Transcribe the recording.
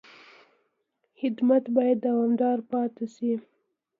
خدمت باید دوامداره پاتې شي.